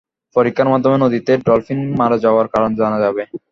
পরীক্ষার মাধ্যমে নদীতে ডলফিন মারা যাওয়ার কারণ জানা যাবে।